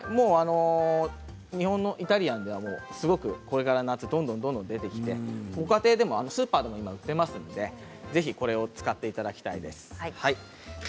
日本のイタリアンではこれから夏どんどん出てきてご家庭でもスーパーでも売っていますのでぜひ使っていただきたいです。